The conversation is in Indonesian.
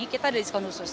kita ada discount khusus